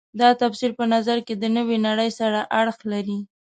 دا تفسیر په نظر کې د نوې نړۍ سره اړخ لري.